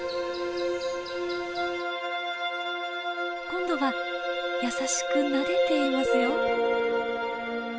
今度はやさしくなでていますよ。